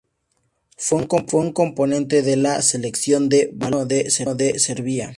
Fue un componente de la Selección de balonmano de Serbia.